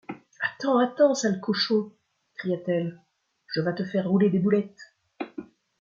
Attends ! attends ! sale cochon ! cria-t-elle, je vas te faire rouler des boulettes !